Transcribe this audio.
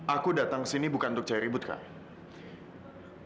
aku datang ke sini bukan untuk cari ribut kak